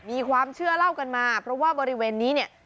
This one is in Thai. มีความเชื่อเล่ากันมาเพราะว่าบริเวณนี้เนี่ย